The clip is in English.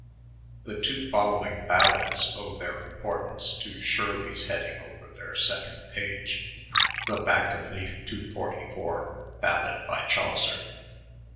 [The two followiDgBaladea owe their importance to Shirley's heading over their second page, the back of leaf 241. "Balade bj Chancer.